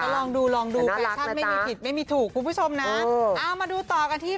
ลองดูลองดูแฟชั่นไม่มีผิดไม่มีถูกคุณผู้ชมนะเอามาดูต่อกันที่